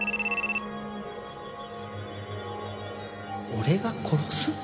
俺が殺す？